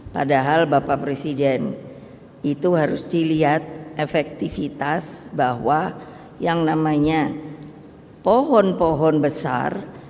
padahal bapak presiden itu harus dilihat efektivitas bahwa yang namanya pohon pohon besar